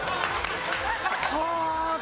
はあ！